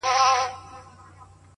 لـه ژړا دي خداى را وساته جانـانـه’